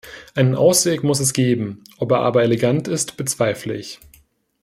Einen Ausweg muss es geben, ob er aber elegant ist, bezweifle ich.